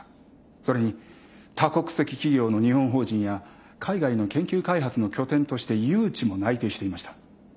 それに多国籍企業の日本法人や海外の研究開発の拠点として誘致も内定していました。